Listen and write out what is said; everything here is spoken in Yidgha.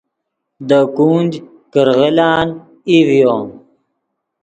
دے گونج کرغیلان ای ڤیو